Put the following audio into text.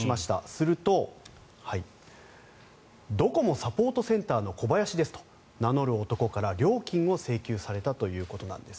するとドコモサポートセンターのコバヤシですと名乗る男から料金を請求されたということです。